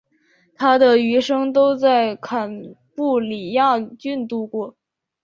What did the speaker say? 他的余生都在坎布里亚郡度过。